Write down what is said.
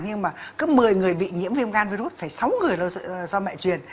thứ một mươi người bị nhiễm viêm gan virus phải sáu người do mẹ truyền